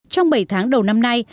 trong bảy tháng đầu năm nay